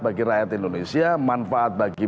bagi rakyat indonesia manfaat bagi